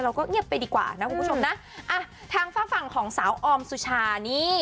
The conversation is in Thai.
เราก็เงียบไปดีกว่านะคุณผู้ชมนะอ่ะทางฝากฝั่งของสาวออมสุชานี่